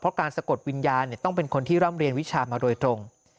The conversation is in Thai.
เพราะการสะกดวิญญาณต้องเป็นคนที่ร่ำเรียนวิชามาโดยตรง